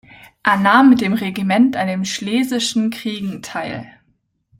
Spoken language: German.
Er nahm mit dem Regiment an den Schlesischen Kriegen teil.